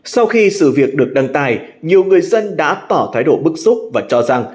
sau khi sự việc được đăng tải nhiều người dân đã tỏ thái độ bức xúc và cho rằng